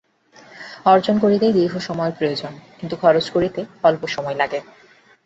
অর্জন করিতেই দীর্ঘ সময়ের প্রয়োজন, কিন্তু খরচ করিতে অল্প সময় লাগে।